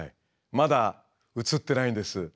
まだ映ってないんです。